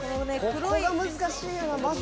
ここが難しいよなまず。